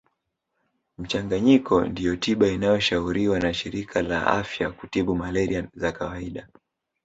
Mchanganyiko ndiyo tiba inayoshauriwa na shirika la afya kutiba malaria za kawaida